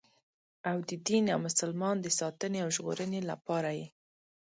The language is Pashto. او د دین او مسلمان د ساتنې او ژغورنې لپاره یې.